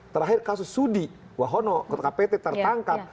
terakhir kasus sudi wahono ketika pt tertangkap